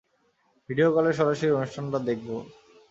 Video কলে সরাসরি অনুষ্ঠানটা দেখবো।